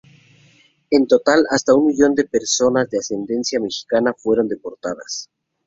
En total, hasta un millón de personas de ascendencia mexicana fueron deportadas.